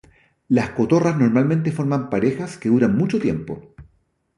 Las cotorras normalmente forman parejas que duran mucho tiempo.